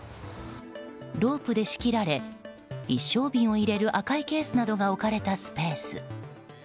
ロープで仕切られ一升瓶を入れる赤いケースなどが置かれたスペース。